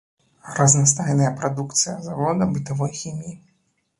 Разнастайная прадукцыя завода бытавой хіміі.